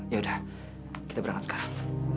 ya udah kita berangkat sekali